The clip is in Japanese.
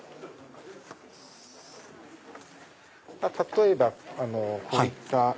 例えばこういった。